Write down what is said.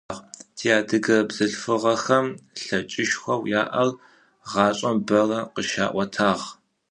Тиадыгэ бзылъфыгъэхэм лъэкӏышхоу яӏэр гъашӏэм бэрэ къыщаӏотагъ.